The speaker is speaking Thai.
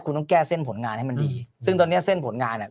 คุณต้องแก้เส้นผลงานให้มันดีซึ่งตอนเนี้ยเส้นผลงานเนี้ย